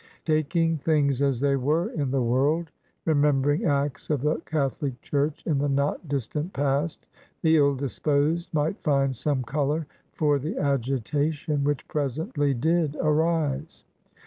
Taking things as they wa*e in the world, remembering acts of the Catholic Church in the not distant past, the ill disposed might find some color for the agitation which presently did arise.